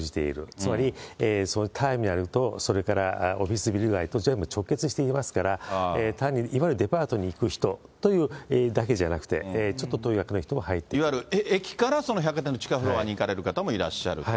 つまり、ターミナルとそれからオフィスビル街と、どちらも直結していますから、単にいわゆるデパートに行く人というだけじゃなくて、ちょっと遠いわゆる、駅から百貨店の地下フロアに行かれる方もいらっしゃると。